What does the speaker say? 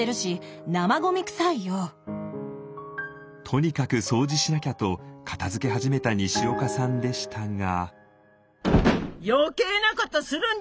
とにかく掃除しなきゃと片づけ始めたにしおかさんでしたが。